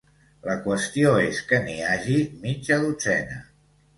La qüestió és que n'hi hagi mitja dotzena.